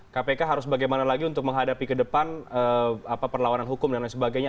kpk harus bagaimana lagi untuk menghadapi ke depan perlawanan hukum dan lain sebagainya